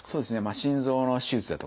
心臓の手術だとか。